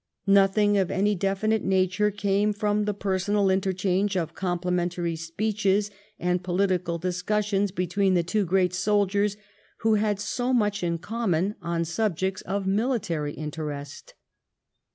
Nothing of any definite nature came from the personal interchange of complimentary speeches and political discussions between the two great soldiers who had so much in common on subjects of military interest.